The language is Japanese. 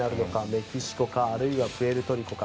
メキシコかあるいはプエルトリコか。